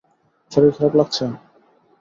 শরীর খারাপ লাগছে?